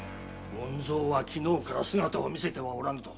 権蔵は昨日から姿を見せてはおらぬと追い返したわ！